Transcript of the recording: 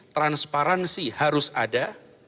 transparansi harus ada